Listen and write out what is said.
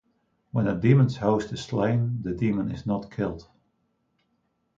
When a demon's host is slain, the demon is not killed.